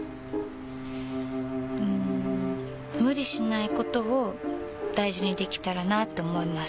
うん無理しないことを大事にできたらなって思います。